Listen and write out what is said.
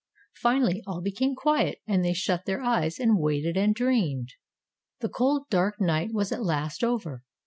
Finally all became quiet and they shut their eyes and waited and dreamed. The cold, dark night was at last over.